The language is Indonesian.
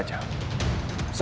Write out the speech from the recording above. dalam keadaan baik baik saja